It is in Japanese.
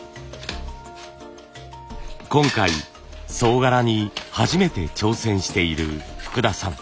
今回総柄に初めて挑戦している福田さん。